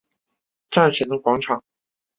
战神广场之间。